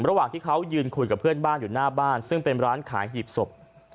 ระหว่างที่เขายืนคุยกับเพื่อนบ้านอยู่หน้าบ้านซึ่งเป็นร้านขายหีบศพ